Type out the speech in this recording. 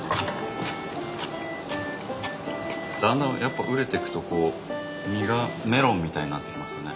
だんだんやっぱ熟れてくとこう実がメロンみたいになってきますね。